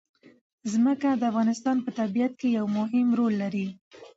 ځمکه د افغانستان په طبیعت کې یو مهم رول لري.